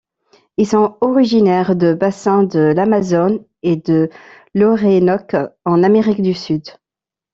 Ils sont originaires de bassins de l'Amazone et de l'Orénoque en Amérique du Sud.